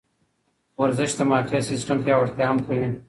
ورزش د معافیت سیستم پیاوړتیا هم کوي.